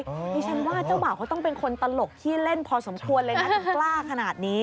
ดิฉันว่าเจ้าบ่าวเขาต้องเป็นคนตลกขี้เล่นพอสมควรเลยนะถึงกล้าขนาดนี้